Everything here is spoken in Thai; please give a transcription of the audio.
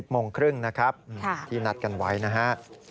โมงครึ่งนะครับที่นัดกันไว้นะฮะ